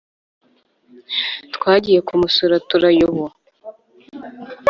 Twagiye kumusura turayobo